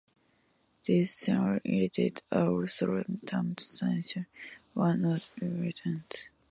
These sensory irritants are also termed sternators or nose irritants.